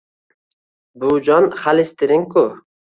Buvijon xolesterinku